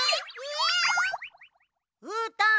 うーたん